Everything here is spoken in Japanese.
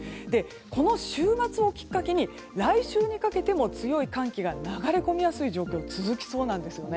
この週末をきっかけに来週にかけても強い寒気が流れ込みやすい状況が続きそうなんですね。